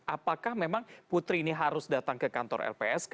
apakah memang putri ini harus datang ke kantor lpsk